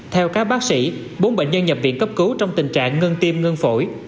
theo các bác sĩ bốn bệnh nhân nhập viện cấp cứu trong tình trạng ngân tim ngân phổi